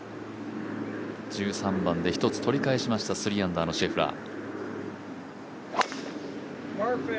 １３番で１つ取り返しました３アンダーのシェフラー。